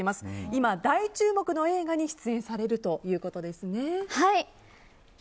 今、大注目の映画に出演されるということですね。